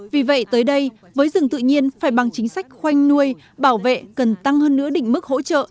vì vậy tới đây với rừng tự nhiên phải bằng chính sách khoanh nuôi bảo vệ cần tăng hơn nữa đỉnh mức hỗ trợ